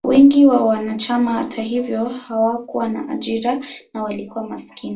Wengi wa wanachama, hata hivyo, hawakuwa na ajira na walikuwa maskini.